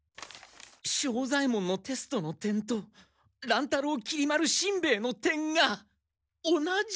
庄左ヱ門のテストの点と乱太郎きり丸しんべヱの点が同じ。